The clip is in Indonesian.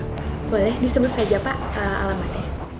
boleh disebut saja pak alamatnya